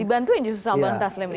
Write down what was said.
dibantuin justru sama bang taslim ini